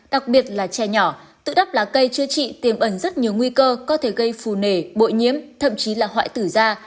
đặc biệt là trẻ nhỏ tự đắp lá cây chữa trị tiềm ẩn rất nhiều nguy cơ có thể gây phù nề bội nhiễm thậm chí là hoại tử da